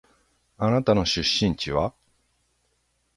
あなたの出身地は？